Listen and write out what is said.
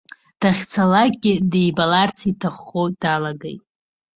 Дахьцалакгьы дибаларц иҭаххо далагеит.